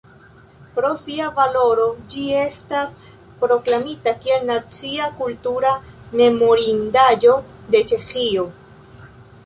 Pro sia valoro ĝi estas proklamita kiel nacia kultura memorindaĵo de Ĉeĥio.